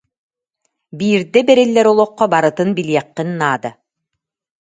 Биирдэ бэриллэр олоххо барытын билиэххин наада.